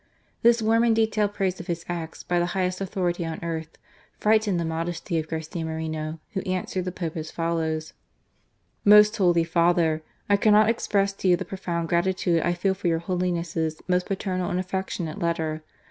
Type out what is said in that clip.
This warm and detailed praise of his acts, by the highest authority on earth, frightened the modesty of Garcia Moreno, who answered the Pope as follows : "Most Holy Father! I cannot express to you the profound gratitude I feel for your Holiness' most paternal and affectionate letter.